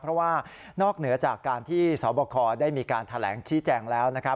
เพราะว่านอกเหนือจากการที่สบคได้มีการแถลงชี้แจงแล้วนะครับ